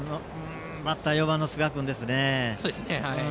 バッター４番の寿賀君ですね。